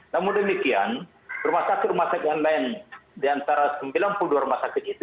namun demikian rumah sakit rumah sakit yang lain di antara sembilan puluh dua rumah sakit itu